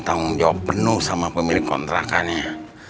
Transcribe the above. tanggung jawab penuh sama pemilik kontrakannya